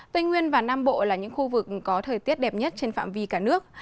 tây nguyên và nam bộ là những khu vực có thời tiết đẹp nhất trên phạm vi cả nước